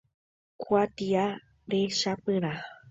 Kuatia rechapyrã.